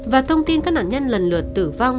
và thông tin các nạn nhân lần lượt tử vong